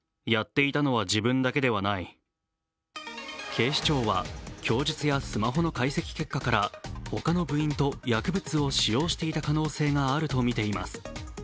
警視庁は供述やスマホの解析結果から、他の部員と薬物を使用していた可能性があるとみています。